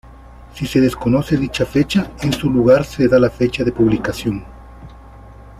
Si se desconoce dicha fecha, en su lugar se da la fecha de publicación.